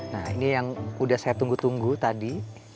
nah ini yang udah saya tunggu tunggu tadi